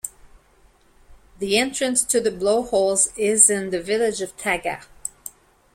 The entrance to the blowholes is in the village of Taga.